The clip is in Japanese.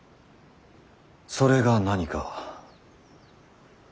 それが何か。